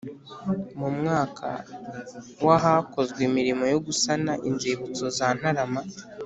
Mu mwaka wa hakozwe imirimo yo gusana inzibutso za ntarama